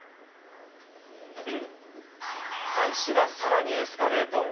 監視は、さらにエスカレート。